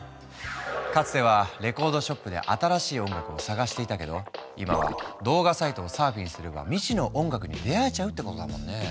かつてはレコードショップで新しい音楽を探していたけど今は動画サイトをサーフィンすれば未知の音楽に出会えちゃうってことだもんね。